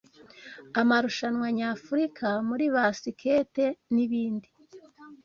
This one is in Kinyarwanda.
amarushanwa nyafurika muri Bbasikete n’ibindi